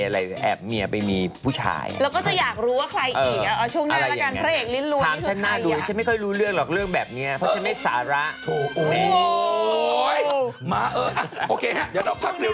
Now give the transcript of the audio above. รุ่นนี้ต่อให้พูดถึงอะไรก็แมมแมมมีอะไรเอาแล้ว